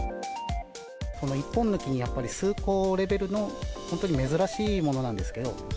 この１本の木に数個レベルの本当に珍しいものなんですけど。